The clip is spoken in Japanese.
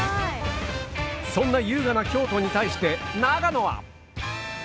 そんな優雅な京都に対して長野は。